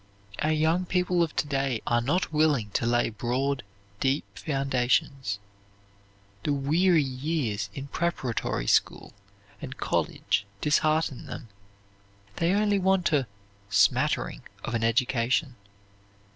Our young people of to day are not willing to lay broad, deep foundations. The weary years in preparatory school and college dishearten them. They only want a "smattering" of an education.